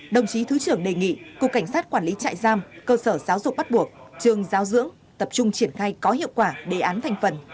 đồng chí thứ trưởng đề nghị cục cảnh sát quản lý trại giam cơ sở giáo dục bắt buộc trường giáo dưỡng tập trung triển khai có hiệu quả đề án thành phần